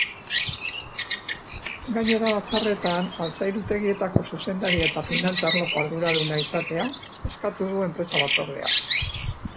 Gainera, batzarretan altzairutegietako zuzendaria eta finantza arloko arduraduna izatea eskatu du enpresa-batzordeak.